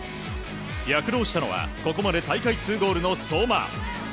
躍動したのはここまで大会２ゴールの相馬。